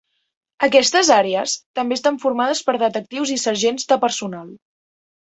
Aquests àrees també estan formades per detectius i sergents de personal.